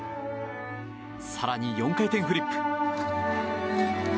更に、４回転フリップ。